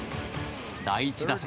第１打席。